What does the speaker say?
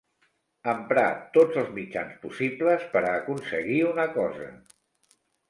Emprar tots els mitjans possibles per a aconseguir una cosa.